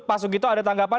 pak sugito ada tanggapan